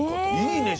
いいね